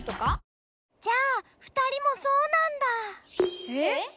じゃあ２人もそうなんだ。え？